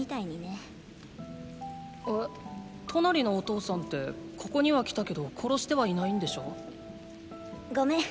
えトナリのお父さんってここには来たけど殺してはいないんでしょ？ごめん。